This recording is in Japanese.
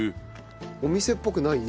お店っぽくないね。